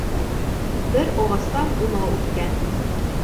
Бер ағастан унау үҫкән